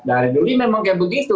dari dulu memang kayak begitu